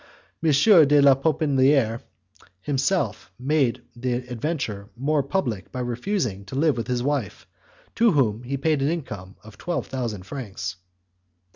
M. de la Popeliniere himself had made the adventure more public by refusing to live with his wife, to whom he paid an income of twelve thousand francs.